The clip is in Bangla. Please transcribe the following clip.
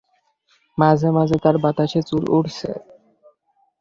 মাঝেমাঝে বাতাসে তার চুল উড়ছে।